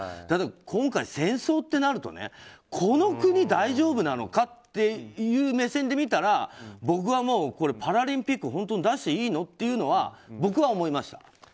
でも今回、戦争となるとこの国大丈夫なのかとそういう目線で見たら、僕はパラリンピックに本当に出していいのっていうのは僕は思いました。